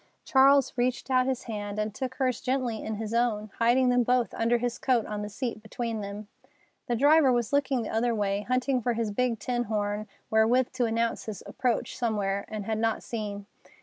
Charles reached out his hand and took hers gently in his own, hiding them both under his coat on the seat between them. The driver was looking the other way, hunting for his big tin horn, wherewith to announce his approach somewhere, and had not seen.